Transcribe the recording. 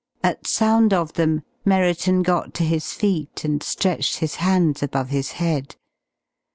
At sound of them Merriton got to his feet and stretched his hands above his head.